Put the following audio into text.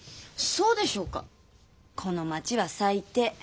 この町は最低。